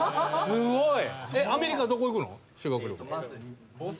すごい！